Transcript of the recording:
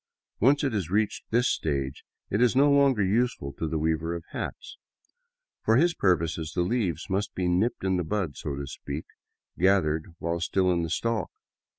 Once it has reached this stage, it is no longer useful to the weaver of hats. For his purposes the leaves must be nipped in the bud, so to speak, — gath ered while still in the stalk.